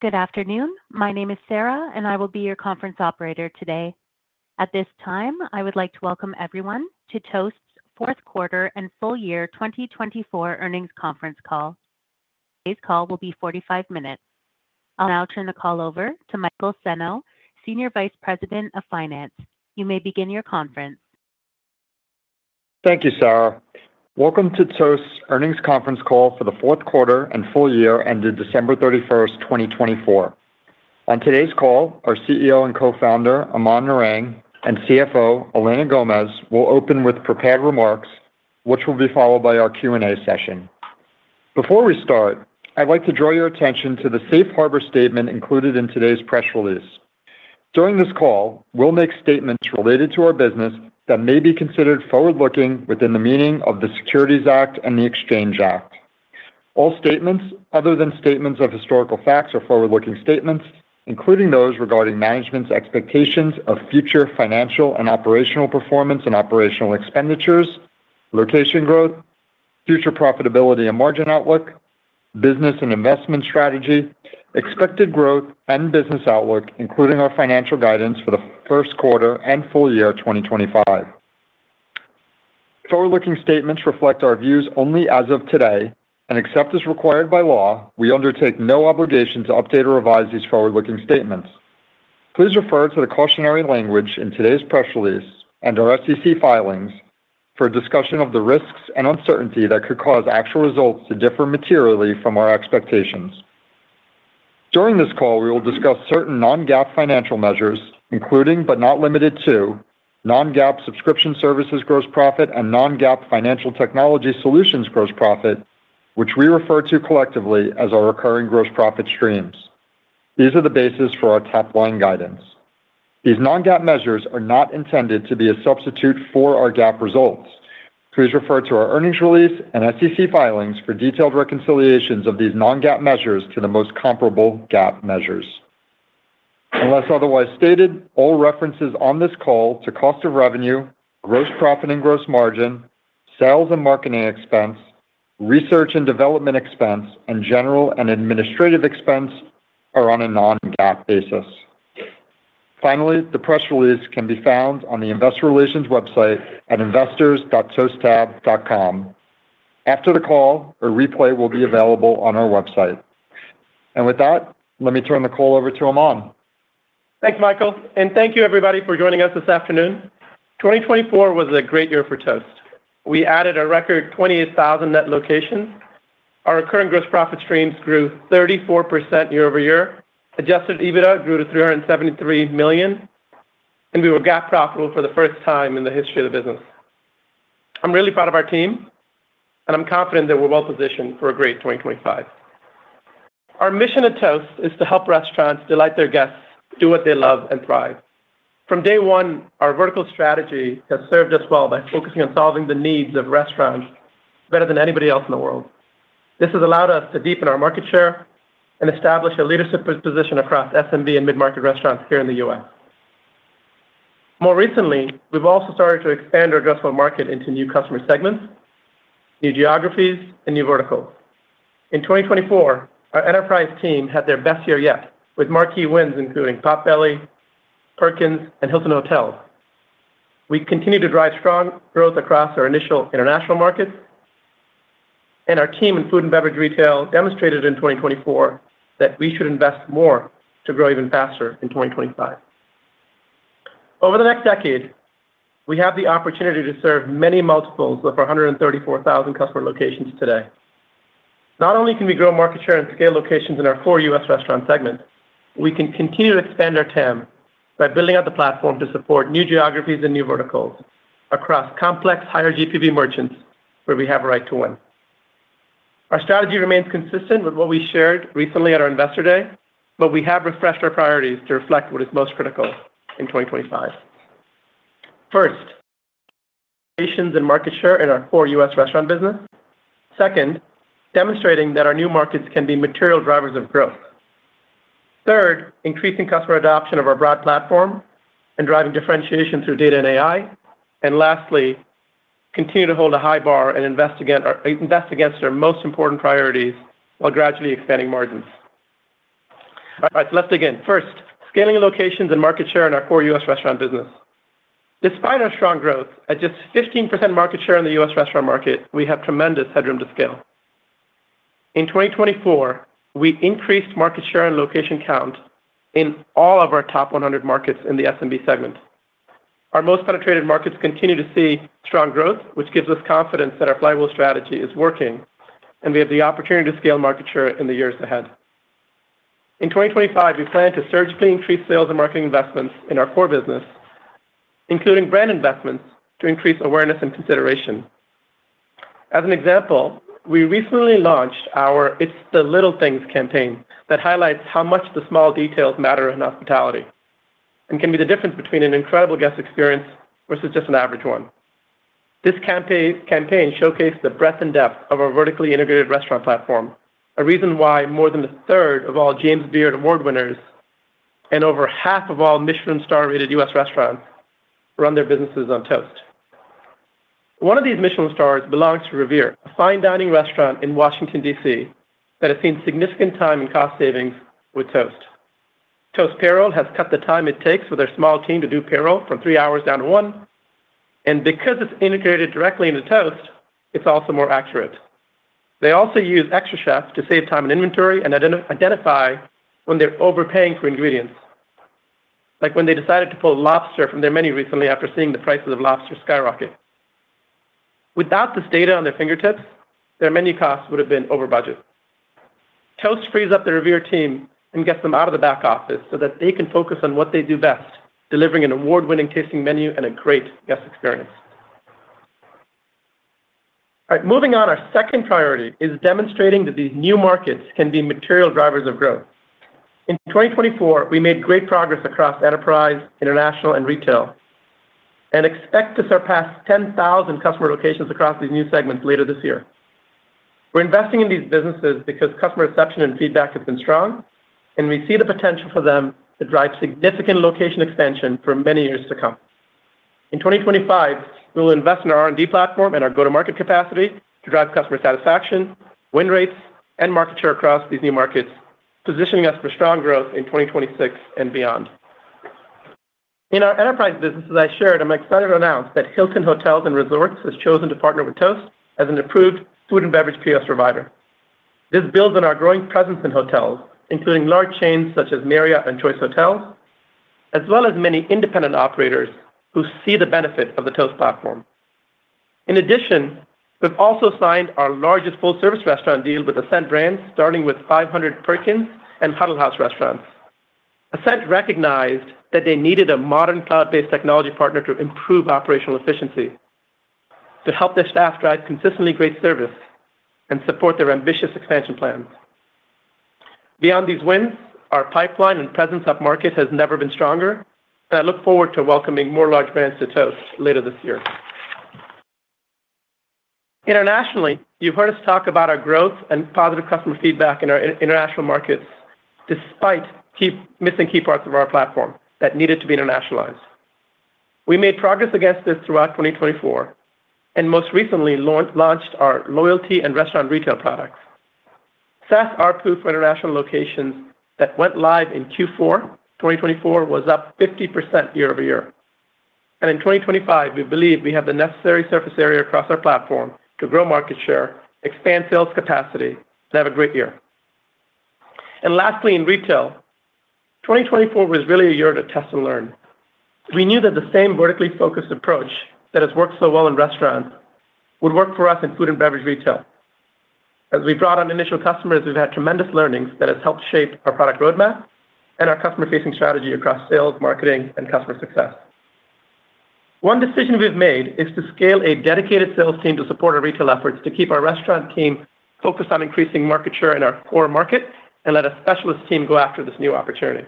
Good afternoon. My name is Sarah, and I will be your conference operator today. At this time, I would like to welcome everyone to Toast's fourth quarter and full year 2024 earnings conference call. Today's call will be 45 minutes. I'll now turn the call over to Michael Senno, Senior Vice President of Finance. You may begin your conference. Thank you, Sarah. Welcome to Toast's earnings conference call for the fourth quarter and full year ended December 31st, 2024. On today's call, our CEO and co-founder, Aman Narang, and CFO, Elena Gomez, will open with prepared remarks, which will be followed by our Q&A session. Before we start, I'd like to draw your attention to the Safe Harbor statement included in today's press release. During this call, we'll make statements related to our business that may be considered forward-looking within the meaning of the Securities Act and the Exchange Act. All statements other than statements of historical facts are forward-looking statements, including those regarding management's expectations of future financial and operational performance and operational expenditures, location growth, future profitability and margin outlook, business and investment strategy, expected growth and business outlook, including our financial guidance for the first quarter and full year 2025. Forward-looking statements reflect our views only as of today, and except as required by law, we undertake no obligation to update or revise these forward-looking statements. Please refer to the cautionary language in today's press release and our SEC filings for a discussion of the risks and uncertainty that could cause actual results to differ materially from our expectations. During this call, we will discuss certain non-GAAP financial measures, including but not limited to non-GAAP subscription services gross profit and non-GAAP financial technology solutions gross profit, which we refer to collectively as our recurring gross profit streams. These are the basis for our top line guidance. These non-GAAP measures are not intended to be a substitute for our GAAP results. Please refer to our earnings release and SEC filings for detailed reconciliations of these non-GAAP measures to the most comparable GAAP measures. Unless otherwise stated, all references on this call to cost of revenue, gross profit and gross margin, sales and marketing expense, research and development expense, and general and administrative expense are on a non-GAAP basis. Finally, the press release can be found on the Investor Relations website at investors.toasttab.com. After the call, a replay will be available on our website. And with that, let me turn the call over to Aman. Thanks, Michael, and thank you, everybody, for joining us this afternoon. 2024 was a great year for Toast. We added a record 28,000 net locations. Our current gross profit streams grew 34% year-over-year. Adjusted EBITDA grew to $373 million, and we were GAAP profitable for the first time in the history of the business. I'm really proud of our team, and I'm confident that we're well positioned for a great 2025. Our mission at Toast is to help restaurants delight their guests, do what they love, and thrive. From day one, our vertical strategy has served us well by focusing on solving the needs of restaurants better than anybody else in the world. This has allowed us to deepen our market share and establish a leadership position across SMB and mid-market restaurants here in the U.S. More recently, we've also started to expand our addressable market into new customer segments, new geographies, and new verticals. In 2024, our enterprise team had their best year yet, with marquee wins including Potbelly, Perkins, and Hilton Hotels. We continue to drive strong growth across our initial international markets, and our team in food and beverage retail demonstrated in 2024 that we should invest more to grow even faster in 2025. Over the next decade, we have the opportunity to serve many multiples of our 134,000 customer locations today. Not only can we grow market share and scale locations in our core U.S. restaurant segment, we can continue to expand our TAM by building out the platform to support new geographies and new verticals across complex higher GPV merchants where we have a right to win. Our strategy remains consistent with what we shared recently at our investor day, but we have refreshed our priorities to reflect what is most critical in 2025. First, penetration and market share in our core U.S. restaurant business. Second, demonstrating that our new markets can be material drivers of growth. Third, increasing customer adoption of our broad platform and driving differentiation through data and AI. And lastly, continue to hold a high bar and invest against our most important priorities while gradually expanding margins. All right, so let's begin. First, scaling locations and market share in our core U.S. restaurant business. Despite our strong growth, at just 15% market share in the U.S. restaurant market, we have tremendous headroom to scale. In 2024, we increased market share and location count in all of our top 100 markets in the SMB segment. Our most penetrated markets continue to see strong growth, which gives us confidence that our flywheel strategy is working, and we have the opportunity to scale market share in the years ahead. In 2025, we plan to surgically increase sales and marketing investments in our core business, including brand investments to increase awareness and consideration. As an example, we recently launched our It's the Little Things campaign that highlights how much the small details matter in hospitality and can be the difference between an incredible guest experience versus just an average one. This campaign showcased the breadth and depth of our vertically integrated restaurant platform, a reason why more than a third of all James Beard Award winners and over half of all Michelin star-rated U.S. restaurants run their businesses on Toast. One of these Michelin stars belongs to Reverie, a fine dining restaurant in Washington, D.C., that has seen significant time and cost savings with Toast. Toast Payroll has cut the time it takes with their small team to do payroll from three hours down to one, and because it's integrated directly into Toast, it's also more accurate. They also use xtraCHEF to save time in inventory and identify when they're overpaying for ingredients, like when they decided to pull lobster from their menu recently after seeing the prices of lobster skyrocket. Without this data on their fingertips, their menu costs would have been over budget. Toast frees up the Reverie team and gets them out of the back office so that they can focus on what they do best, delivering an award-winning tasting menu and a great guest experience. All right, moving on, our second priority is demonstrating that these new markets can be material drivers of growth. In 2024, we made great progress across enterprise, international, and retail, and expect to surpass 10,000 customer locations across these new segments later this year. We're investing in these businesses because customer reception and feedback have been strong, and we see the potential for them to drive significant location expansion for many years to come. In 2025, we will invest in our R&D platform and our go-to-market capacity to drive customer satisfaction, win rates, and market share across these new markets, positioning us for strong growth in 2026 and beyond. In our enterprise businesses I shared, I'm excited to announce that Hilton Hotels and Resorts has chosen to partner with Toast as an approved food and beverage POS provider. This builds on our growing presence in hotels, including large chains such as Marriott and Choice Hotels, as well as many independent operators who see the benefit of the Toast platform. In addition, we've also signed our largest full-service restaurant deal with Ascent Hospitality Management, starting with 500 Perkins and Huddle House restaurants. Ascent Hospitality Management recognized that they needed a modern cloud-based technology partner to improve operational efficiency to help their staff drive consistently great service and support their ambitious expansion plans. Beyond these wins, our pipeline and presence up market has never been stronger, and I look forward to welcoming more large brands to Toast later this year. Internationally, you've heard us talk about our growth and positive customer feedback in our international markets despite missing key parts of our platform that needed to be internationalized. We made progress against this throughout 2024, and most recently launched our loyalty and restaurant retail products. SaaS ARPU for international locations that went live in Q4 2024 was up 50% year-over-year. And in 2025, we believe we have the necessary surface area across our platform to grow market share, expand sales capacity, and have a great year. And lastly, in retail, 2024 was really a year to test and learn. We knew that the same vertically focused approach that has worked so well in restaurants would work for us in food and beverage retail. As we brought on initial customers, we've had tremendous learnings that have helped shape our product roadmap and our customer-facing strategy across sales, marketing, and customer success. One decision we've made is to scale a dedicated sales team to support our retail efforts to keep our restaurant team focused on increasing market share in our core market and let a specialist team go after this new opportunity.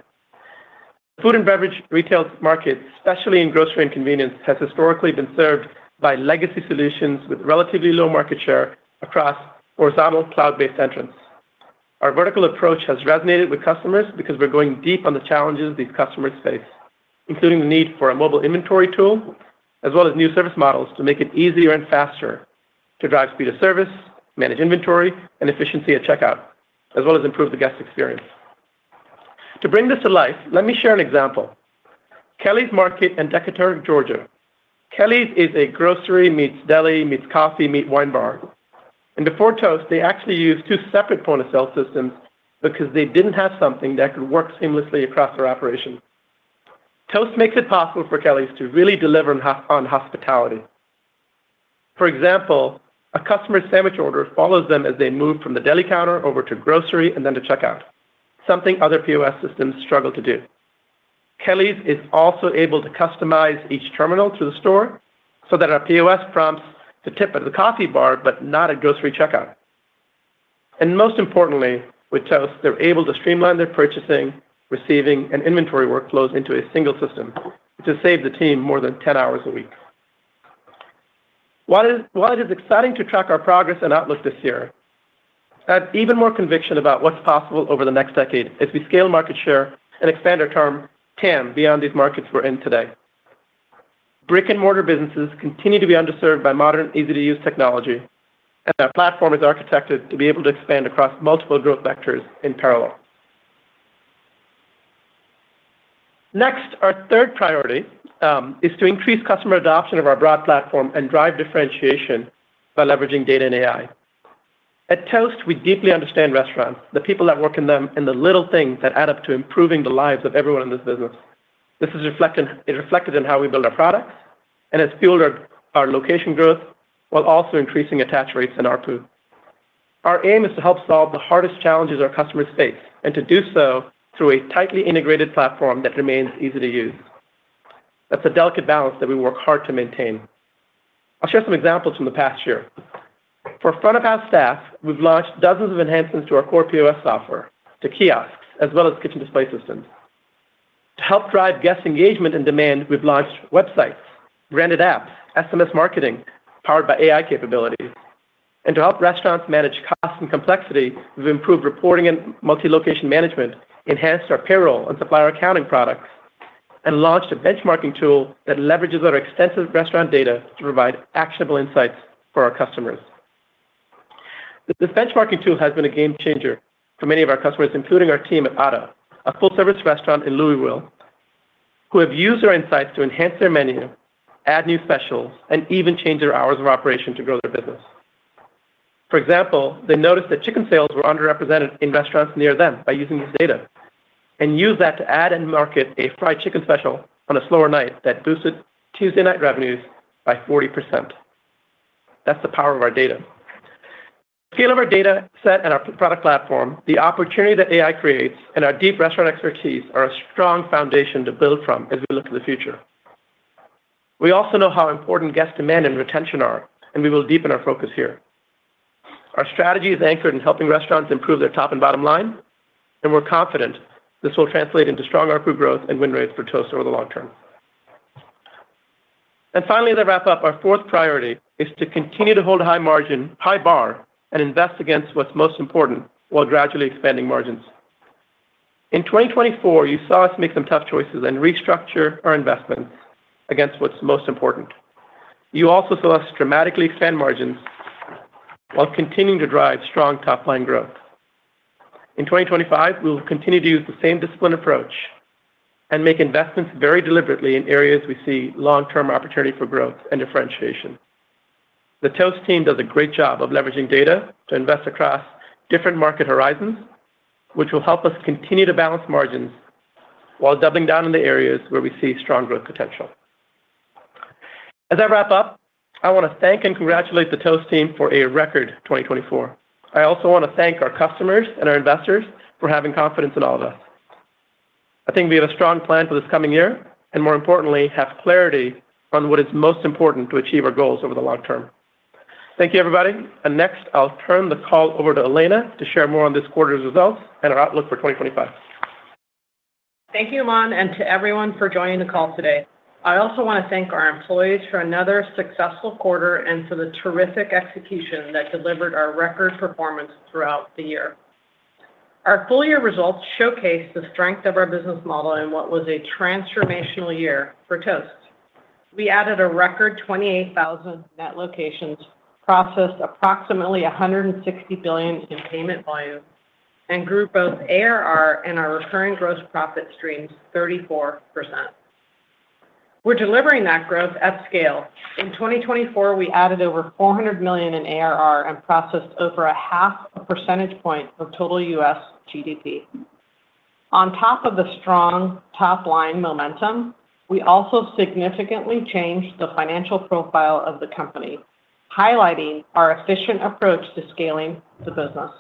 The food and beverage retail market, especially in grocery and convenience, has historically been served by legacy solutions with relatively low market share across horizontal cloud-based entrants. Our vertical approach has resonated with customers because we're going deep on the challenges these customers face, including the need for a mobile inventory tool, as well as new service models to make it easier and faster to drive speed of service, manage inventory, and efficiency at checkout, as well as improve the guest experience. To bring this to life, let me share an example. Kelly's Market in Decatur, Georgia. Kelly's is a grocery meets deli meets coffee meet wine bar. And before Toast, they actually used two separate point-of-sale systems because they didn't have something that could work seamlessly across their operation. Toast makes it possible for Kelly's to really deliver on hospitality. For example, a customer's sandwich order follows them as they move from the deli counter over to grocery and then to checkout, something other POS systems struggle to do. Kelly's is also able to customize each terminal to the store so that our POS prompts the tip at the coffee bar, but not at grocery checkout. And most importantly, with Toast, they're able to streamline their purchasing, receiving, and inventory workflows into a single system to save the team more than 10 hours a week. While it is exciting to track our progress and outlook this year, I have even more conviction about what's possible over the next decade as we scale market share and expand our total TAM beyond these markets we're in today. Brick-and-mortar businesses continue to be underserved by modern, easy-to-use technology, and our platform is architected to be able to expand across multiple growth vectors in parallel. Next, our third priority is to increase customer adoption of our broad platform and drive differentiation by leveraging data and AI. At Toast, we deeply understand restaurants, the people that work in them, and the little things that add up to improving the lives of everyone in this business. This is reflected in how we build our products, and it's fueled our location growth while also increasing attach rates and ARPU. Our aim is to help solve the hardest challenges our customers face and to do so through a tightly integrated platform that remains easy to use. That's a delicate balance that we work hard to maintain. I'll share some examples from the past year. For front-of-house staff, we've launched dozens of enhancements to our core POS software, to kiosks, as well as kitchen display systems. To help drive guest engagement and demand, we've launched websites, branded apps, SMS marketing powered by AI capabilities, and to help restaurants manage costs and complexity, we've improved reporting and multi-location management, enhanced our payroll and supplier accounting products, and launched a benchmarking tool that leverages our extensive restaurant data to provide actionable insights for our customers. This benchmarking tool has been a game changer for many of our customers, including our team at 80/20, a full-service restaurant in Louisville, who have used our insights to enhance their menu, add new specials, and even change their hours of operation to grow their business. For example, they noticed that chicken sales were underrepresented in restaurants near them by using this data and used that to add and market a fried chicken special on a slower night that boosted Tuesday night revenues by 40%. That's the power of our data. The scale of our data set and our product platform, the opportunity that AI creates, and our deep restaurant expertise are a strong foundation to build from as we look to the future. We also know how important guest demand and retention are, and we will deepen our focus here. Our strategy is anchored in helping restaurants improve their top and bottom line, and we're confident this will translate into strong ARPU growth and win rates for Toast over the long term. And finally, to wrap up, our fourth priority is to continue to hold a high margin, high bar, and invest against what's most important while gradually expanding margins. In 2024, you saw us make some tough choices and restructure our investments against what's most important. You also saw us dramatically expand margins while continuing to drive strong top-line growth. In 2025, we will continue to use the same discipline approach and make investments very deliberately in areas we see long-term opportunity for growth and differentiation. The Toast team does a great job of leveraging data to invest across different market horizons, which will help us continue to balance margins while doubling down in the areas where we see strong growth potential. As I wrap up, I want to thank and congratulate the Toast team for a record 2024. I also want to thank our customers and our investors for having confidence in all of us. I think we have a strong plan for this coming year and, more importantly, have clarity on what is most important to achieve our goals over the long term. Thank you, everybody. And next, I'll turn the call over to Elena to share more on this quarter's results and our outlook for 2025. Thank you, Aman, and to everyone for joining the call today. I also want to thank our employees for another successful quarter and for the terrific execution that delivered our record performance throughout the year. Our full-year results showcase the strength of our business model and what was a transformational year for Toast. We added a record 28,000 net locations, processed approximately $160 billion in payment volume, and grew both ARR and our recurring gross profit streams 34%. We're delivering that growth at scale. In 2024, we added over $400 million in ARR and processed over 0.5 percentage point of total U.S. GDP. On top of the strong top-line momentum, we also significantly changed the financial profile of the company, highlighting our efficient approach to scaling the business.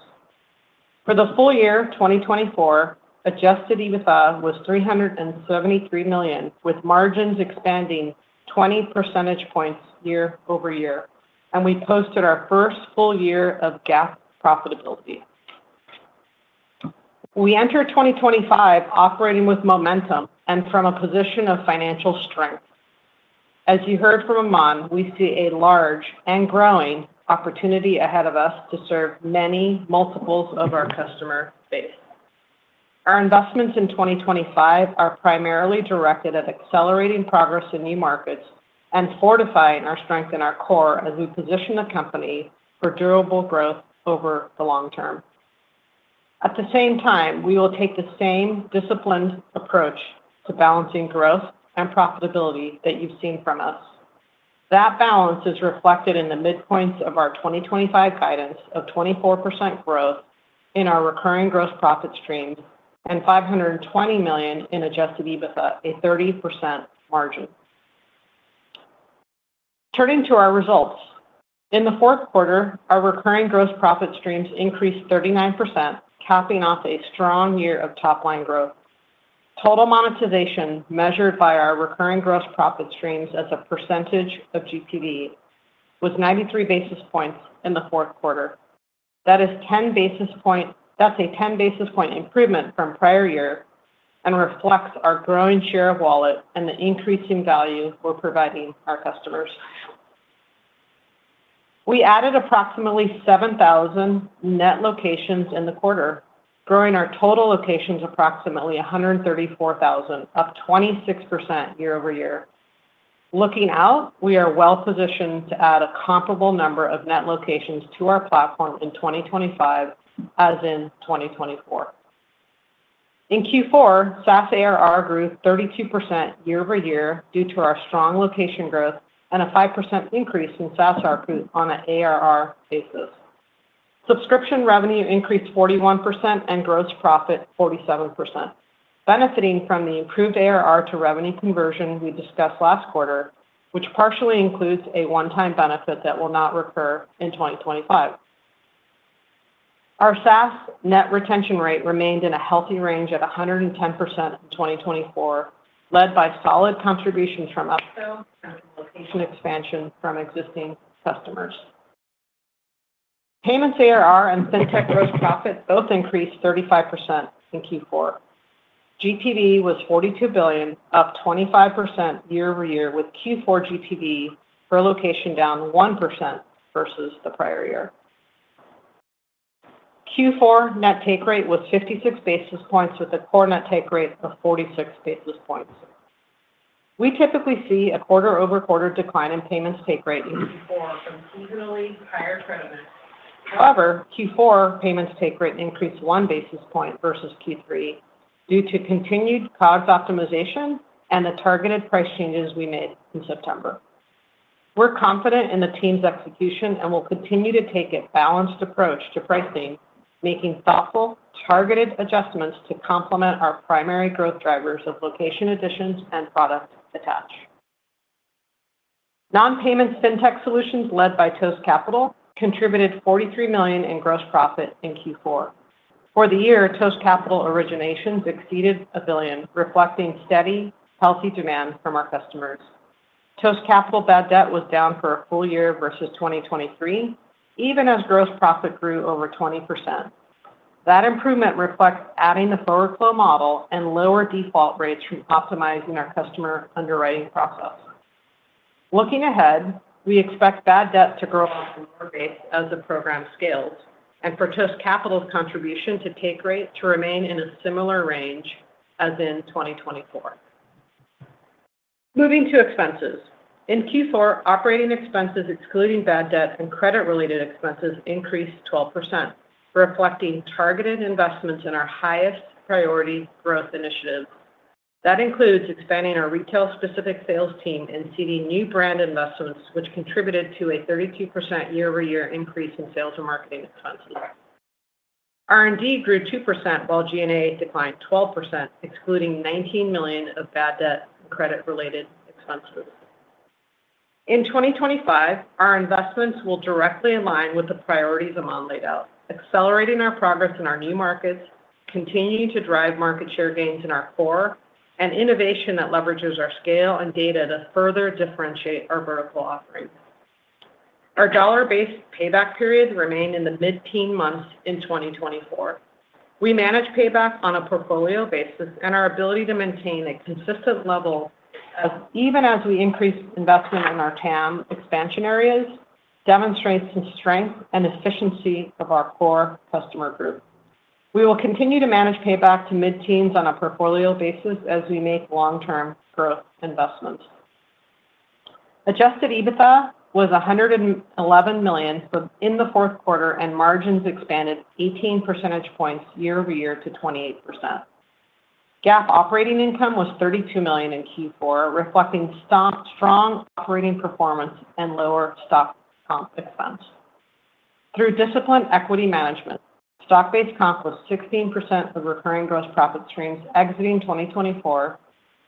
For the full year 2024, adjusted EBITDA was $373 million, with margins expanding 20 percentage points year-over-year, and we posted our first full year of GAAP profitability. We enter 2025 operating with momentum and from a position of financial strength. As you heard from Aman, we see a large and growing opportunity ahead of us to serve many multiples of our customer base. Our investments in 2025 are primarily directed at accelerating progress in new markets and fortifying our strength in our core as we position the company for durable growth over the long term. At the same time, we will take the same disciplined approach to balancing growth and profitability that you've seen from us. That balance is reflected in the midpoints of our 2025 guidance of 24% growth in our recurring gross profit streams and $520 million in Adjusted EBITDA, a 30% margin. Turning to our results, in the fourth quarter, our recurring gross profit streams increased 39%, capping off a strong year of top-line growth. Total monetization measured by our recurring gross profit streams as a percentage of GPV was 93 bps in the fourth quarter. That is a 10 bp improvement from prior year and reflects our growing share of wallet and the increasing value we're providing our customers. We added approximately 7,000 net locations in the quarter, growing our total locations approximately 134,000, up 26% year-over-year. Looking out, we are well positioned to add a comparable number of net locations to our platform in 2025, as in 2024. In Q4, SaaS ARR grew 32% year-over-year due to our strong location growth and a 5% increase in SaaS ARPU on an ARR basis. Subscription revenue increased 41% and gross profit 47%, benefiting from the improved ARR to revenue conversion we discussed last quarter, which partially includes a one-time benefit that will not recur in 2025. Our SaaS net retention rate remained in a healthy range at 110% in 2024, led by solid contributions from upsell and location expansion from existing customers. Payments ARR and FinTech gross profit both increased 35% in Q4. GPV was $42 billion, up 25% year-over-year, with Q4 GPV per location down 1% versus the prior year. Q4 net take rate was 56 bps, with a core net take rate of 46 bps. We typically see a quarter-over-quarter decline in payments take rate in Q4 from seasonally higher credit mix. However, Q4 payments take rate increased 1 bp versus Q3 due to continued COGS optimization and the targeted price changes we made in September. We're confident in the team's execution and will continue to take a balanced approach to pricing, making thoughtful, targeted adjustments to complement our primary growth drivers of location additions and product attach. Non-payment Fintech solutions led by Toast Capital contributed $43 million in gross profit in Q4. For the year, Toast Capital originations exceeded $1 billion, reflecting steady, healthy demand from our customers. Toast Capital bad debt was down for a full year versus 2023, even as gross profit grew over 20%. That improvement reflects adding the forward flow model and lower default rates from optimizing our customer underwriting process. Looking ahead, we expect bad debt to grow on a lower base as the program scales and for Toast Capital's contribution to take rate to remain in a similar range as in 2024. Moving to expenses. In Q4, operating expenses excluding bad debt and credit-related expenses increased 12%, reflecting targeted investments in our highest priority growth initiatives. That includes expanding our retail-specific sales team and seeding new brand investments, which contributed to a 32% year-over-year increase in sales and marketing expenses. R&D grew 2% while G&A declined 12%, excluding $19 million of bad debt and credit-related expenses. In 2025, our investments will directly align with the priorities Aman laid out, accelerating our progress in our new markets, continuing to drive market share gains in our core, and innovation that leverages our scale and data to further differentiate our vertical offering. Our dollar-based payback period remained in the mid-teen months in 2024. We manage payback on a portfolio basis, and our ability to maintain a consistent level of, even as we increase investment in our TAM expansion areas, demonstrates the strength and efficiency of our core customer group. We will continue to manage payback to mid-teens on a portfolio basis as we make long-term growth investments. Adjusted EBITDA was $111 million in the fourth quarter, and margins expanded 18 percentage points year-over-year to 28%. GAAP operating income was $32 million in Q4, reflecting strong operating performance and lower stock comp expense. Through disciplined equity management, stock-based comp was 16% of recurring gross profit streams exiting 2024,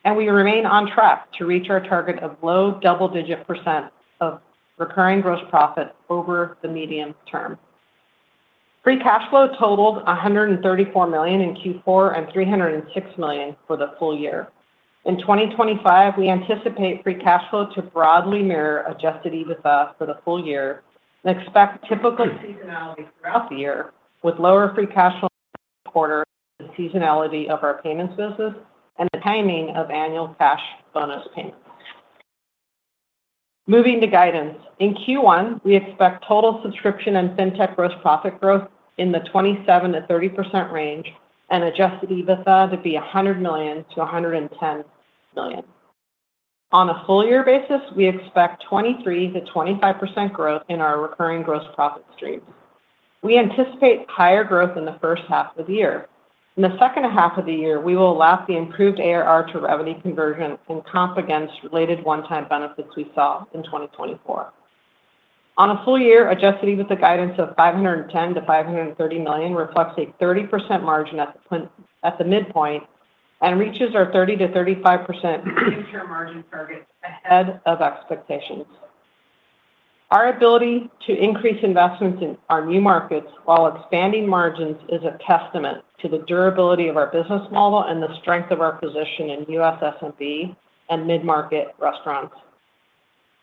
and we remain on track to reach our target of low double-digit % of recurring gross profit over the medium term. Free cash flow totaled $134 million in Q4 and $306 million for the full year. In 2025, we anticipate free cash flow to broadly mirror adjusted EBITDA for the full year and expect typical seasonality throughout the year, with lower free cash flow in the quarter and the seasonality of our payments business and the timing of annual cash bonus payments. Moving to guidance. In Q1, we expect total subscription and Fintech gross profit growth in the 27%-30% range and adjusted EBITDA to be $100 million-$110 million. On a full-year basis, we expect 23% to 25% growth in our recurring gross profit streams. We anticipate higher growth in the first half of the year. In the second half of the year, we will lap the improved ARR to revenue conversion and comp against related one-time benefits we saw in 2024. On a full year, Adjusted EBITDA guidance of $510 million to $530 million reflects a 30% margin at the midpoint and reaches our 30% to 35% future margin targets ahead of expectations. Our ability to increase investments in our new markets while expanding margins is a testament to the durability of our business model and the strength of our position in U.S. SMB and mid-market restaurants.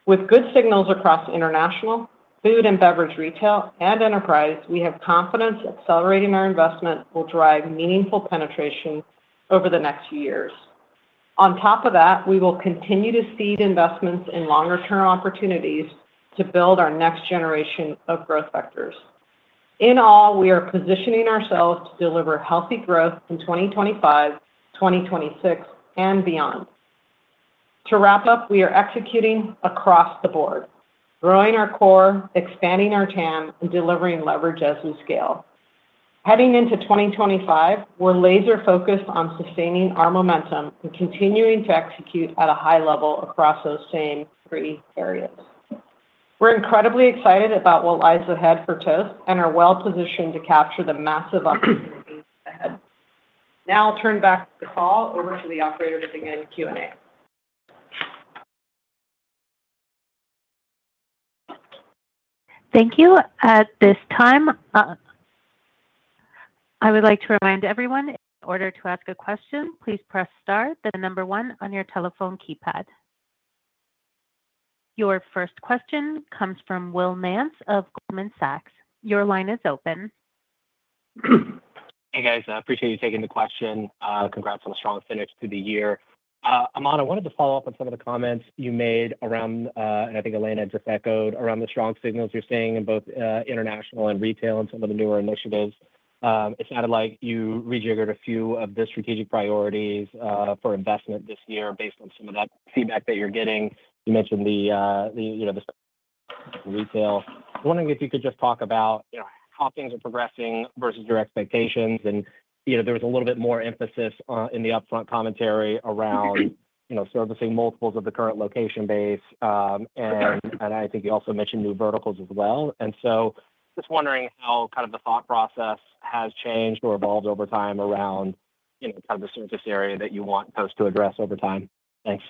With good signals across international, food and beverage retail, and enterprise, we have confidence accelerating our investment will drive meaningful penetration over the next few years. On top of that, we will continue to seed investments in longer-term opportunities to build our next generation of growth vectors. In all, we are positioning ourselves to deliver healthy growth in 2025, 2026, and beyond. To wrap up, we are executing across the board, growing our core, expanding our TAM, and delivering leverage as we scale. Heading into 2025, we're laser-focused on sustaining our momentum and continuing to execute at a high level across those same three areas. We're incredibly excited about what lies ahead for Toast and are well positioned to capture the massive opportunities ahead. Now I'll turn the call back over to the operator to begin Q&A. Thank you. At this time, I would like to remind everyone, in order to ask a question, please press star, then the number one on your telephone keypad. Your first question comes from Will Nance of Goldman Sachs. Your line is open. Hey, guys. I appreciate you taking the question. Congrats on a strong finish to the year. Aman, I wanted to follow up on some of the comments you made around, and I think Elena just echoed, around the strong signals you're seeing in both international and retail and some of the newer initiatives. It sounded like you rejiggered a few of the strategic priorities for investment this year based on some of that feedback that you're getting. You mentioned the retail. I was wondering if you could just talk about how things are progressing versus your expectations. And there was a little bit more emphasis in the upfront commentary around servicing multiples of the current location base. And I think you also mentioned new verticals as well. And so just wondering how kind of the thought process has changed or evolved over time around kind of the surface area that you want Toast to address over time. Thanks.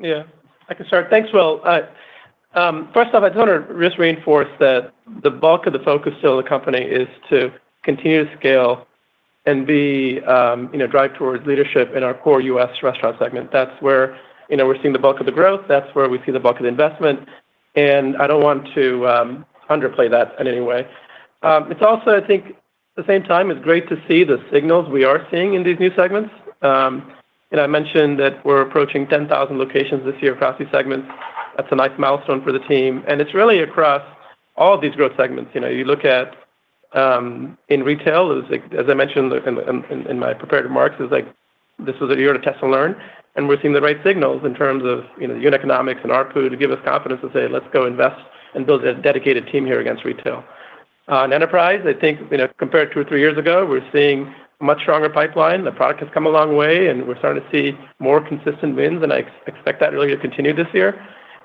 Yeah. I can start. Thanks, Will. First off, I just want to just reinforce that the bulk of the focus still of the company is to continue to scale and drive towards leadership in our core U.S. restaurant segment. That's where we're seeing the bulk of the growth. That's where we see the bulk of the investment. And I don't want to underplay that in any way. It's also, I think, at the same time, it's great to see the signals we are seeing in these new segments. I mentioned that we're approaching 10,000 locations this year across these segments. That's a nice milestone for the team. And it's really across all of these growth segments. You look at, in retail, as I mentioned in my preparatory remarks, it's like this was a year to test and learn. And we're seeing the right signals in terms of unit economics and ARPU to give us confidence to say, "Let's go invest and build a dedicated team here against retail." On enterprise, I think compared to two or three years ago, we're seeing a much stronger pipeline. The product has come a long way, and we're starting to see more consistent wins. And I expect that really to continue this year.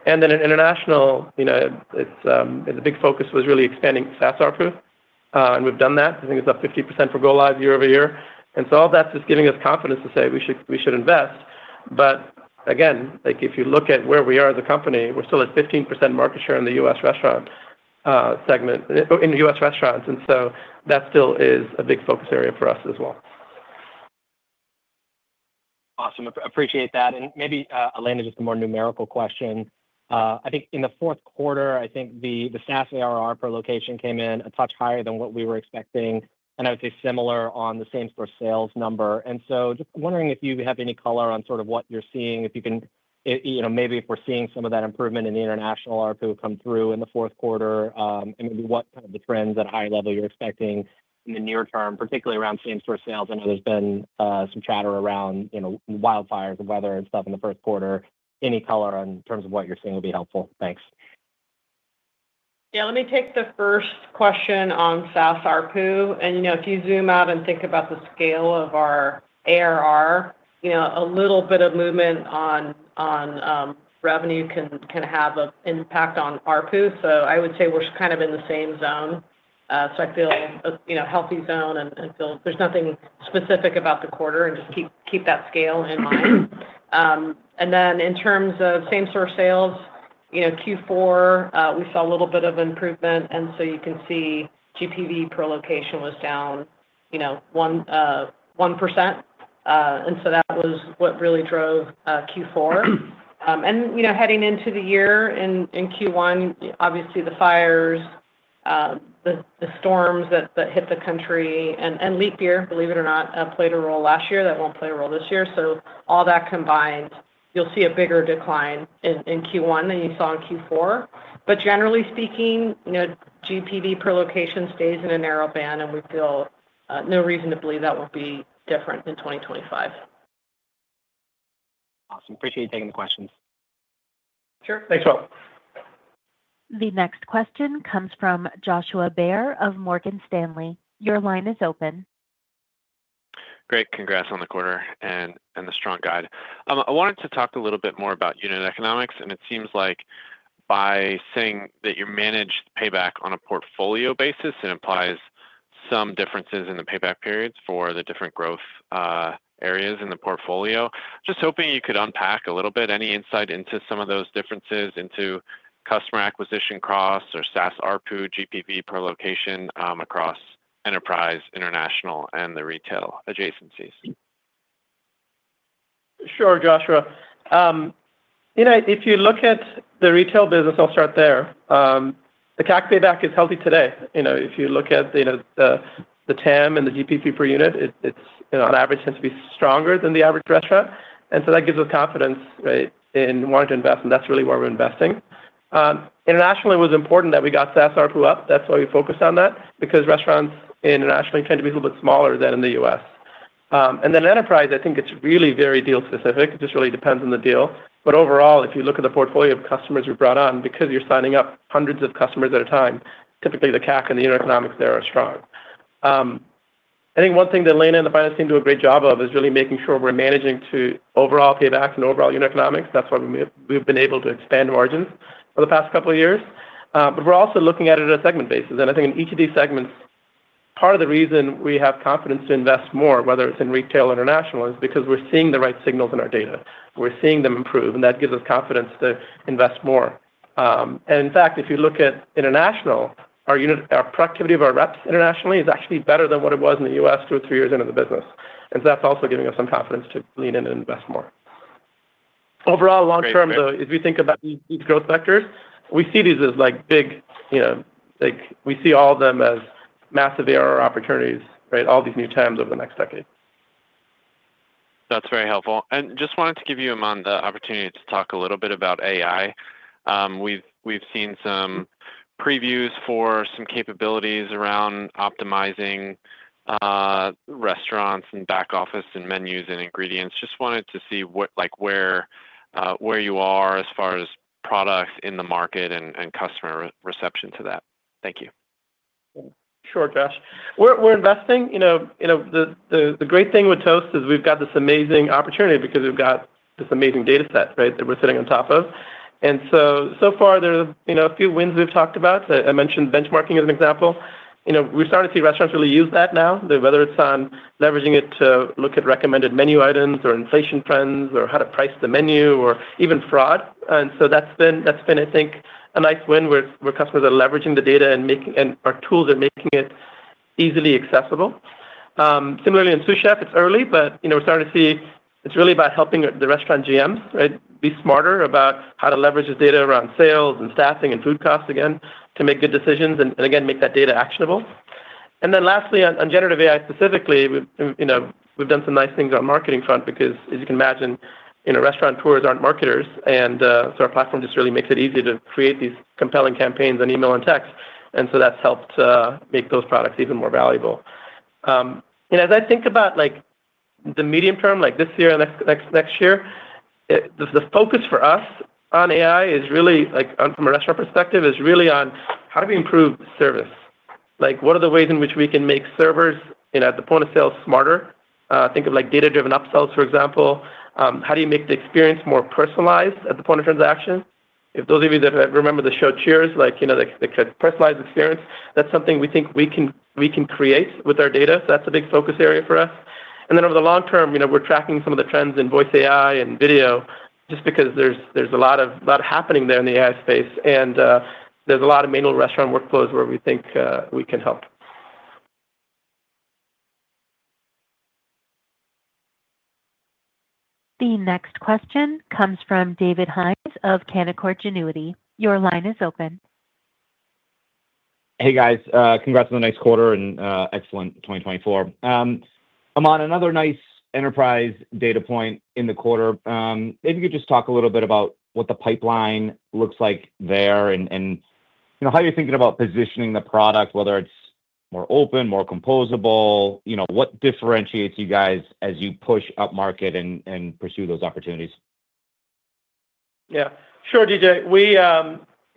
And then in international, the big focus was really expanding SaaS ARPU. And we've done that. I think it's up 50% for go-lives year-over-year. And so all that's just giving us confidence to say we should invest. But again, if you look at where we are as a company, we're still at 15% market share in the U.S. restaurant segment in U.S. restaurants. And so that still is a big focus area for us as well. Awesome. Appreciate that. And maybe Elena, just a more numerical question. I think in the fourth quarter, I think the SaaS ARR per location came in a touch higher than what we were expecting. And I would say similar on the same-store sales number. And so just wondering if you have any color on sort of what you're seeing, if you can maybe if we're seeing some of that improvement in the international ARPU come through in the fourth quarter and maybe what kind of the trends at a higher level you're expecting in the near term, particularly around same-store sales. I know there's been some chatter around wildfires and weather and stuff in the first quarter. Any color on terms of what you're seeing would be helpful. Thanks. Yeah. Let me take the first question on SaaS ARPU. And if you zoom out and think about the scale of our ARR, a little bit of movement on revenue can have an impact on ARPU. So I would say we're kind of in the same zone. So I feel a healthy zone and feel there's nothing specific about the quarter and just keep that scale in mind. And then in terms of same-store sales, Q4, we saw a little bit of improvement. And so you can see GPV per location was down 1%. And so that was what really drove Q4. Heading into the year in Q1, obviously, the fires, the storms that hit the country, and leap year, believe it or not, played a role last year. That won't play a role this year. So all that combined, you'll see a bigger decline in Q1 than you saw in Q4. But generally speaking, GPV per location stays in a narrow band, and we feel no reason to believe that won't be different in 2025. Awesome. Appreciate you taking the questions. Sure. Thanks, Will. The next question comes from Joshua Baer of Morgan Stanley. Your line is open. Great. Congrats on the quarter and the strong guide. I wanted to talk a little bit more about unit economics. And it seems like by saying that you manage payback on a portfolio basis, it implies some differences in the payback periods for the different growth areas in the portfolio. Just hoping you could unpack a little bit, any insight into some of those differences into customer acquisition costs or SaaS ARPU, GPV per location across enterprise, international, and the retail adjacencies. Sure, Joshua. If you look at the retail business, I'll start there. The CAC payback is healthy today. If you look at the TAM and the GPV per unit, it's on average tends to be stronger than the average restaurant. And so that gives us confidence in wanting to invest. And that's really where we're investing. Internationally, it was important that we got SaaS ARPU up. That's why we focused on that, because restaurants internationally tend to be a little bit smaller than in the U.S. And then enterprise, I think it's really very deal-specific. It just really depends on the deal. But overall, if you look at the portfolio of customers we brought on, because you're signing up hundreds of customers at a time, typically the CAC and the unit economics there are strong. I think one thing that Elena and the finance team do a great job of is really making sure we're managing to overall payback and overall unit economics. That's why we've been able to expand margins for the past couple of years. But we're also looking at it at a segment basis. And I think in each of these segments, part of the reason we have confidence to invest more, whether it's in retail or international, is because we're seeing the right signals in our data. We're seeing them improve. And that gives us confidence to invest more. In fact, if you look at international, our productivity of our reps internationally is actually better than what it was in the U.S. two or three years into the business. So that's also giving us some confidence to lean in and invest more. Overall, long term, though, if you think about these growth vectors, we see these as big. We see all of them as massive ARR opportunities, all these new TAMs over the next decade. That's very helpful. Just wanted to give you, Aman, the opportunity to talk a little bit about AI. We've seen some previews for some capabilities around optimizing restaurants and back office and menus and ingredients. Just wanted to see where you are as far as products in the market and customer reception to that. Thank you. Sure, Josh. We're investing. The great thing with Toast is we've got this amazing opportunity because we've got this amazing data set that we're sitting on top of. And so far, there are a few wins we've talked about. I mentioned benchmarking as an example. We're starting to see restaurants really use that now, whether it's on leveraging it to look at recommended menu items or inflation trends or how to price the menu or even fraud. And so that's been, I think, a nice win where customers are leveraging the data and our tools are making it easily accessible. Similarly, in Sous Chef, it's early, but we're starting to see it's really about helping the restaurant GMs be smarter about how to leverage the data around sales and staffing and food costs again to make good decisions and, again, make that data actionable. And then lastly, on generative AI specifically, we've done some nice things on the marketing front because, as you can imagine, restauranteurs aren't marketers. And so our platform just really makes it easy to create these compelling campaigns on email and text. And so that's helped make those products even more valuable. And as I think about the medium term, like this year and next year, the focus for us on AI, from a restaurant perspective, is really on how do we improve service. What are the ways in which we can make servers at the point of sale smarter? Think of data-driven upsells, for example. How do you make the experience more personalized at the point of transaction? If those of you that remember the show Cheers, the personalized experience, that's something we think we can create with our data. So that's a big focus area for us. Then over the long term, we're tracking some of the trends in voice AI and video just because there's a lot happening there in the AI space. And there's a lot of manual restaurant workflows where we think we can help. The next question comes from David Hynes of Canaccord Genuity. Your line is open. Hey, guys. Congrats on the next quarter and excellent 2024. Aman, another nice enterprise data point in the quarter. Maybe you could just talk a little bit about what the pipeline looks like there and how you're thinking about positioning the product, whether it's more open, more composable. What differentiates you guys as you push upmarket and pursue those opportunities? Yeah. Sure, DJ.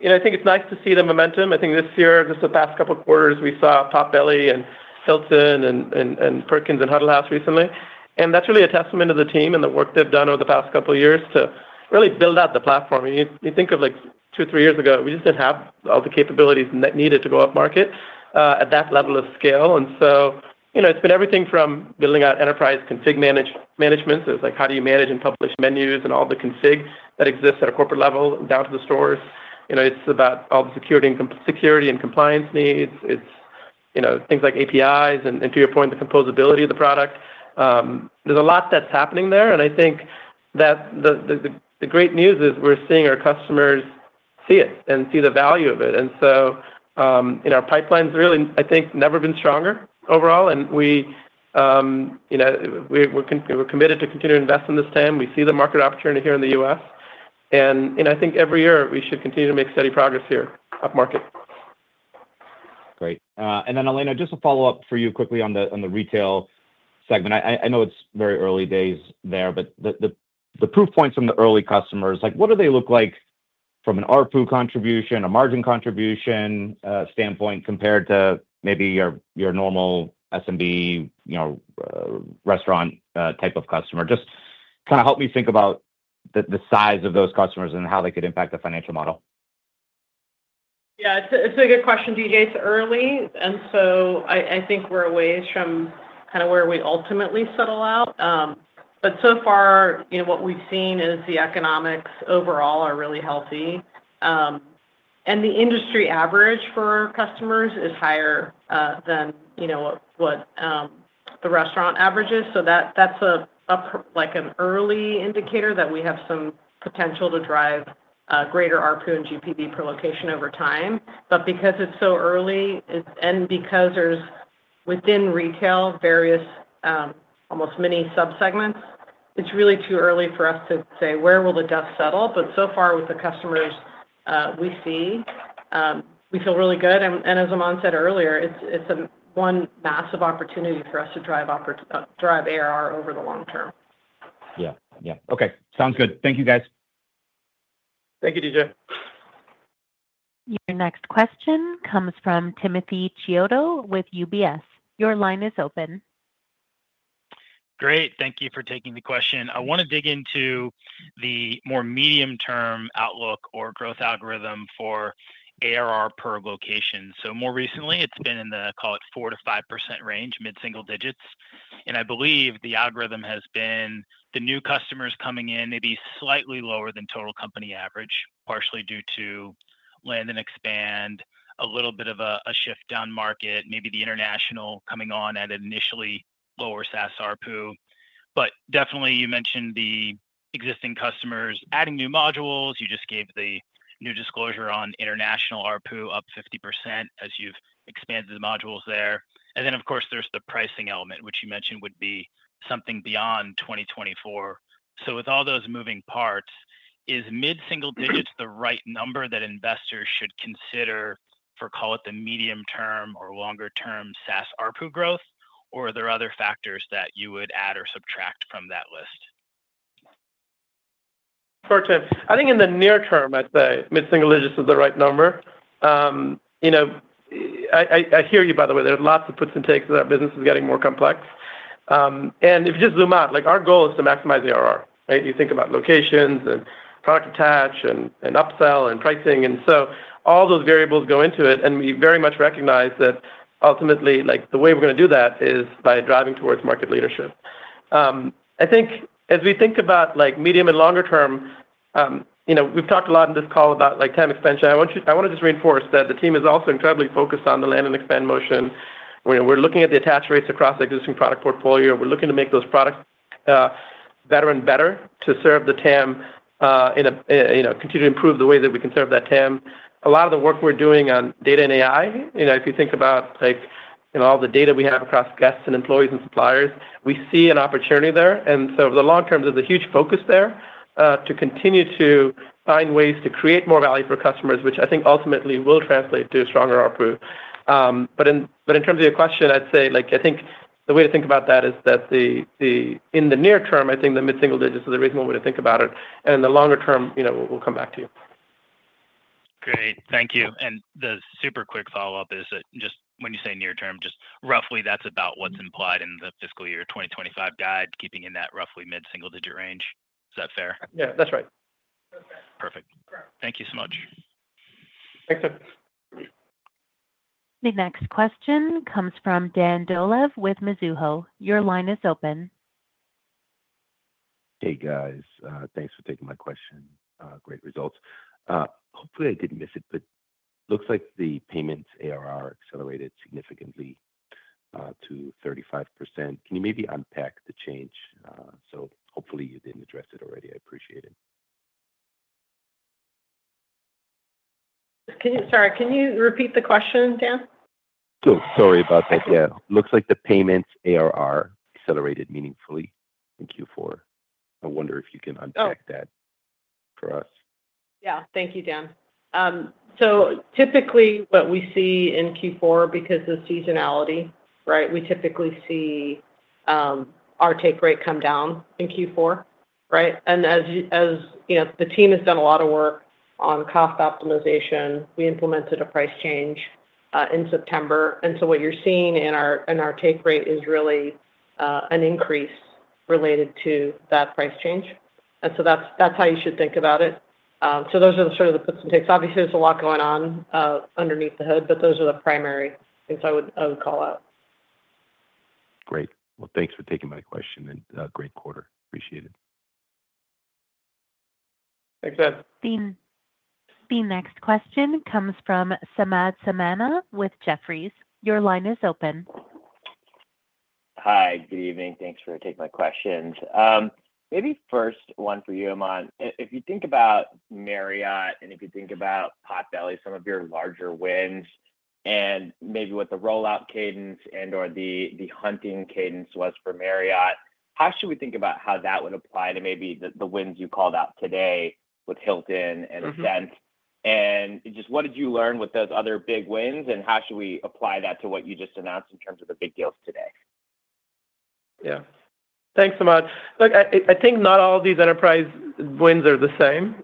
I think it's nice to see the momentum. I think this year, just the past couple of quarters, we saw Topgolf and Hilton and Perkins and Huddle House recently. And that's really a testament to the team and the work they've done over the past couple of years to really build out the platform. You think of two or three years ago, we just didn't have all the capabilities needed to go upmarket at that level of scale. And so it's been everything from building out enterprise config management. So it's like, how do you manage and publish menus and all the config that exists at a corporate level down to the stores? It's about all the security and compliance needs. It's things like APIs and, to your point, the composability of the product. There's a lot that's happening there. And I think that the great news is we're seeing our customers see it and see the value of it. And so our pipeline's really, I think, never been stronger overall. And we're committed to continuing to invest in this TAM. We see the market opportunity here in the U.S. And I think every year we should continue to make steady progress here upmarket. Great. And then, Elena, just a follow-up for you quickly on the retail segment. I know it's very early days there, but the proof points from the early customers, what do they look like from an ARPU contribution, a margin contribution standpoint compared to maybe your normal SMB restaurant type of customer? Just kind of help me think about the size of those customers and how they could impact the financial model. Yeah. It's a good question, DJ. It's early. And so I think we're a ways from kind of where we ultimately settle out. But so far, what we've seen is the economics overall are really healthy. And the industry average for customers is higher than what the restaurant average is. So that's an early indicator that we have some potential to drive greater ARPU and GPV per location over time. But because it's so early and because there's within retail various almost mini subsegments, it's really too early for us to say where will the dust settle. But so far, with the customers we see, we feel really good. And as Aman said earlier, it's one massive opportunity for us to drive ARR over the long term. Yeah. Yeah. Okay. Sounds good. Thank you, guys. Thank you, DJ. Your next question comes from Timothy Chiodo with UBS. Your line is open. Great. Thank you for taking the question. I want to dig into the more medium-term outlook or growth algorithm for ARR per location. So more recently, it's been in the, call it, 4%-5% range, mid-single digits. And I believe the algorithm has been the new customers coming in maybe slightly lower than total company average, partially due to land and expand, a little bit of a shift down market, maybe the international coming on at an initially lower SaaS ARPU. But definitely, you mentioned the existing customers adding new modules. You just gave the new disclosure on international ARPU up 50% as you've expanded the modules there. And then, of course, there's the pricing element, which you mentioned would be something beyond 2024. So with all those moving parts, is mid-single digits the right number that investors should consider for, call it, the medium-term or longer-term SaaS ARPU growth? Or are there other factors that you would add or subtract from that list? Sure, Tim. I think in the near term, I'd say mid-single digits is the right number. I hear you, by the way. There's lots of puts and takes as our business is getting more complex, and if you just zoom out, our goal is to maximize ARR. You think about locations and product attach and upsell and pricing, and so all those variables go into it, and we very much recognize that ultimately, the way we're going to do that is by driving towards market leadership. I think as we think about medium and longer term, we've talked a lot in this call about TAM expansion. I want to just reinforce that the team is also incredibly focused on the land and expand motion. We're looking at the attach rates across the existing product portfolio. We're looking to make those products better and better to serve the TAM and continue to improve the way that we can serve that TAM. A lot of the work we're doing on data and AI, if you think about all the data we have across guests and employees and suppliers, we see an opportunity there. And so over the long term, there's a huge focus there to continue to find ways to create more value for customers, which I think ultimately will translate to a stronger ARPU. But in terms of your question, I'd say I think the way to think about that is that in the near term, I think the mid-single digits is a reasonable way to think about it. And in the longer term, we'll come back to you. Great. Thank you. And the super quick follow-up is that just when you say near term, just roughly, that's about what's implied in the fiscal year 2025 guide, keeping in that roughly mid-single digit range. Is that fair? Yeah, that's right. Perfect. Thank you so much. Thanks, Tim. The next question comes from Dan Dolev with Mizuho. Your line is open. Hey, guys. Thanks for taking my question. Great results. Hopefully, I didn't miss it, but looks like the payments ARR accelerated significantly to 35%. Can you maybe unpack the change? So hopefully, you didn't address it already. I appreciate it. Sorry, can you repeat the question, Dan? Sorry about that. Yeah. Looks like the payments ARR accelerated meaningfully in Q4. I wonder if you can unpack that for us. Yeah. Thank you, Dan. Typically, what we see in Q4, because of seasonality, we typically see our take rate come down in Q4. And as the team has done a lot of work on cost optimization, we implemented a price change in September. And so what you're seeing in our take rate is really an increase related to that price change. And so that's how you should think about it. So those are sort of the puts and takes. Obviously, there's a lot going on underneath the hood, but those are the primary things I would call out. Great. Well, thanks for taking my question in a great quarter. Appreciate it. Thanks, Dan. The next question comes from Samad Samana with Jefferies. Your line is open. Hi. Good evening. Thanks for taking my questions. Maybe first one for you, Aman. If you think about Marriott and if you think about Potbelly, some of your larger wins, and maybe what the rollout cadence and/or the hunting cadence was for Marriott, how should we think about how that would apply to maybe the wins you called out today with Hilton and Ascent? And just what did you learn with those other big wins? And how should we apply that to what you just announced in terms of the big deals today? Yeah. Thanks, Samad. Look, I think not all of these enterprise wins are the same.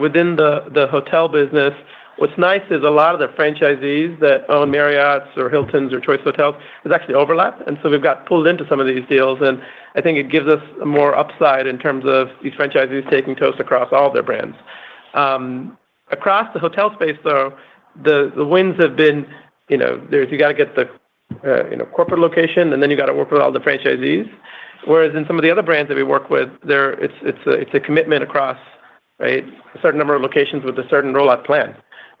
Within the hotel business, what's nice is a lot of the franchisees that own Marriotts or Hiltons or Choice Hotels is actually overlap. And so we've got pulled into some of these deals. And I think it gives us more upside in terms of these franchisees taking Toast across all their brands. Across the hotel space, though, the wins have been you got to get the corporate location, and then you got to work with all the franchisees. Whereas in some of the other brands that we work with, it's a commitment across a certain number of locations with a certain rollout plan.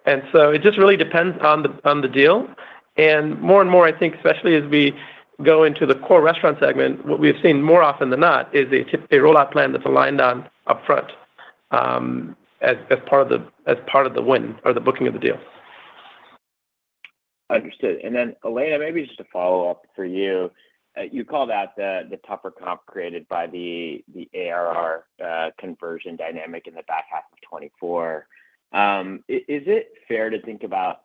And so it just really depends on the deal. And more and more, I think, especially as we go into the core restaurant segment, what we've seen more often than not is a rollout plan that's aligned upfront as part of the win or the booking of the deal. Understood. And then, Elena, maybe just a follow-up for you. You called out the tougher comp created by the ARR conversion dynamic in the back half of 2024. Is it fair to think about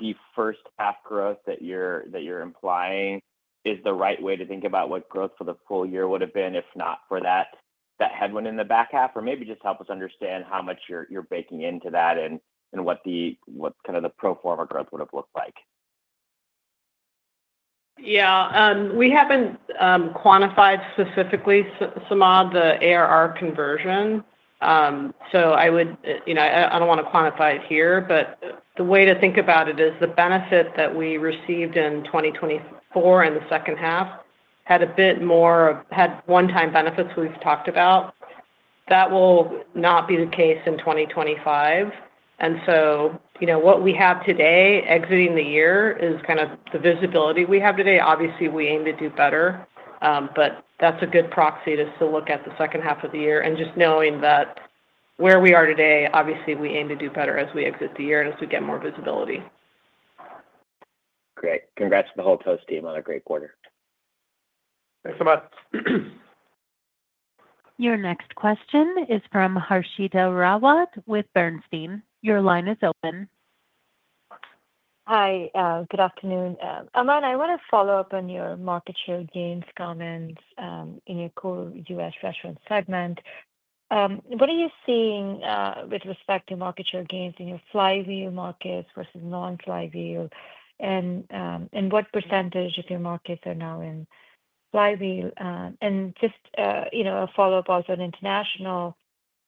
the first half growth that you're implying is the right way to think about what growth for the full year would have been if not for that headwind in the back half? Or maybe just help us understand how much you're baking into that and what kind of the pro forma growth would have looked like. Yeah. We haven't quantified specifically, Samad, the ARR conversion. So I don't want to quantify it here, but the way to think about it is the benefit that we received in 2024 in the second half had a bit more of one-time benefits we've talked about. That will not be the case in 2025. And so what we have today exiting the year is kind of the visibility we have today. Obviously, we aim to do better, but that's a good proxy to still look at the second half of the year. And just knowing that where we are today, obviously, we aim to do better as we exit the year and as we get more visibility. Great. Congrats to the whole Toast team on a great quarter. Thanks so much. Your next question is from Harshita Rawat with Bernstein. Your line is open. Hi. Good afternoon. Aman, I want to follow up on your market share gains comments in your core U.S. restaurant segment. What are you seeing with respect to market share gains in your flywheel markets versus non-flywheel? And what percentage of your markets are now in flywheel? And just a follow-up also on international.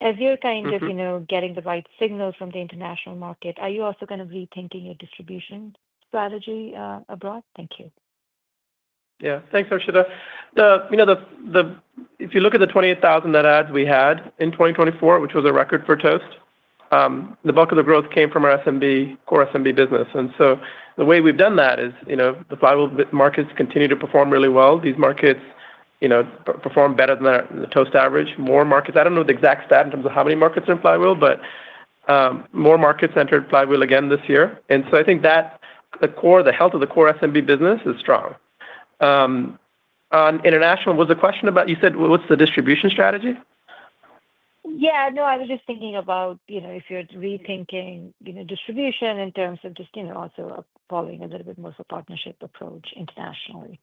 As you're kind of getting the right signals from the international market, are you also kind of rethinking your distribution strategy abroad? Thank you. Yeah. Thanks, Harshita. If you look at the 28,000 net adds we had in 2024, which was a record for Toast, the bulk of the growth came from our SMB, core SMB business. And so the way we've done that is the flywheel markets continue to perform really well. These markets perform better than the Toast average. More markets, I don't know the exact stat in terms of how many markets are in flywheel, but more markets entered flywheel again this year. And so I think that the core of the core SMB business is strong. On international, was the question about you said what's the distribution strategy? Yeah. No, I was just thinking about if you're rethinking distribution in terms of just also appealing a little bit more for partnership approach internationally.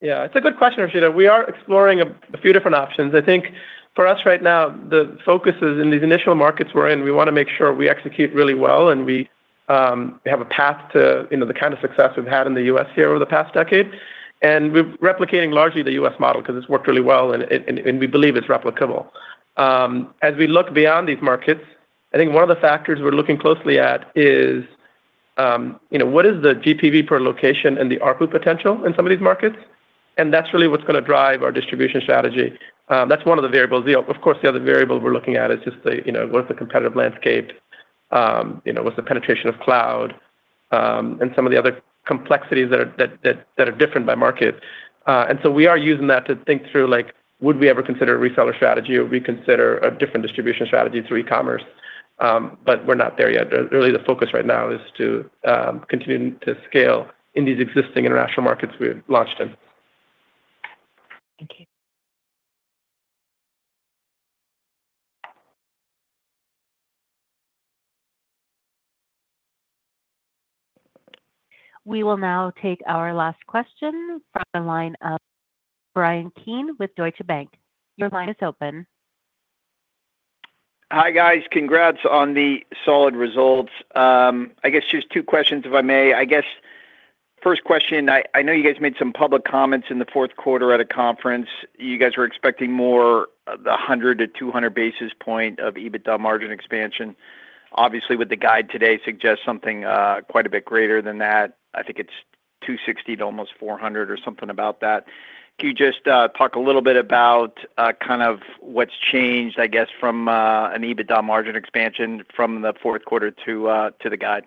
Yeah. It's a good question, Harshita. We are exploring a few different options. I think for us right now, the focus is in these initial markets we're in. We want to make sure we execute really well and we have a path to the kind of success we've had in the U.S. here over the past decade. And we're replicating largely the U.S. model because it's worked really well and we believe it's replicable. As we look beyond these markets, I think one of the factors we're looking closely at is what is the GPV per location and the ARPU potential in some of these markets? And that's really what's going to drive our distribution strategy. That's one of the variables. Of course, the other variable we're looking at is just what's the competitive landscape? What's the penetration of cloud and some of the other complexities that are different by market? And so we are using that to think through, would we ever consider a reseller strategy or reconsider a different distribution strategy through e-commerce? But we're not there yet. Really, the focus right now is to continue to scale in these existing international markets we launched in. Thank you. We will now take our last question from the line of Bryan Keane with Deutsche Bank. Your line is open. Hi, guys. Congrats on the solid results. I guess just two questions if I may. I guess first question, I know you guys made some public comments in the fourth quarter at a conference. You guys were expecting more of the 100 bps to 200 bps of EBITDA margin expansion. Obviously, with the guide today, it suggests something quite a bit greater than that. I think it's 260 to almost 400 or something about that. Can you just talk a little bit about kind of what's changed, I guess, from an EBITDA margin expansion from the fourth quarter to the guide?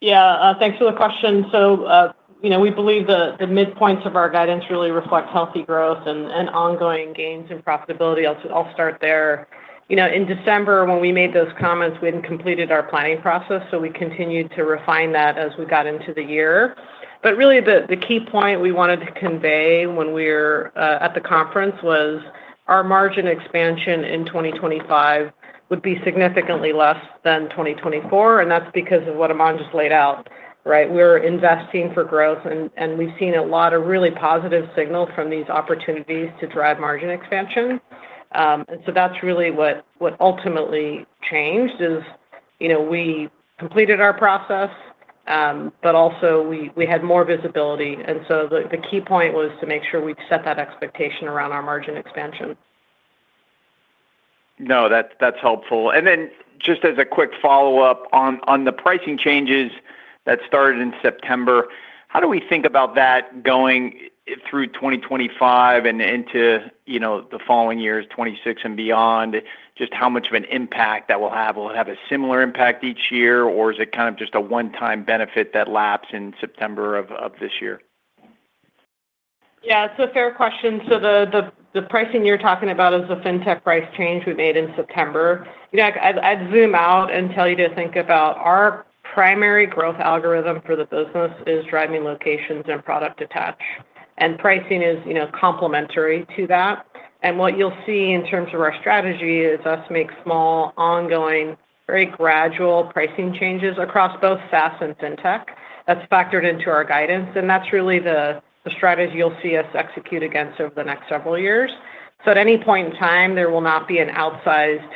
Yeah. Thanks for the question. So we believe the midpoint of our guidance really reflects healthy growth and ongoing gains and profitability. I'll start there. In December, when we made those comments, we hadn't completed our planning process. So we continued to refine that as we got into the year. But really, the key point we wanted to convey when we were at the conference was our margin expansion in 2025 would be significantly less than 2024, and that's because of what Aman just laid out. We're investing for growth, and we've seen a lot of really positive signals from these opportunities to drive margin expansion, and so that's really what ultimately changed is we completed our process, but also we had more visibility. The key point was to make sure we set that expectation around our margin expansion. No, that's helpful. Then just as a quick follow-up on the pricing changes that started in September, how do we think about that going through 2025 and into the following years, 2026 and beyond? Just how much of an impact that will have? Will it have a similar impact each year, or is it kind of just a one-time benefit that laps in September of this year? Yeah. It's a fair question. The pricing you're talking about is the Fintech price change we made in September. I'd zoom out and tell you to think about our primary growth algorithm for the business is driving locations and product attach. And pricing is complementary to that. What you'll see in terms of our strategy is us make small, ongoing, very gradual pricing changes across both SaaS and fintech. That's factored into our guidance. That's really the strategy you'll see us execute against over the next several years. At any point in time, there will not be an outsized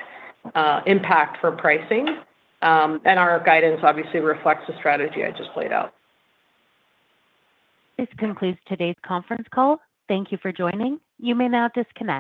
impact for pricing. Our guidance obviously reflects the strategy I just laid out. This concludes today's conference call. Thank you for joining. You may now disconnect.